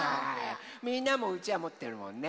みんなもうちわもってるもんね。